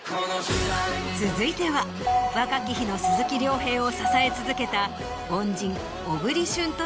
続いては若き日の鈴木亮平を支え続けた。